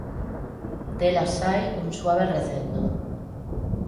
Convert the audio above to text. Delas sae un suave recendo.